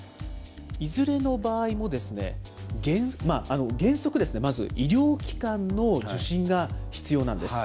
いずれの場合も、原則ですね、まず医療機関の受診が必要なんです。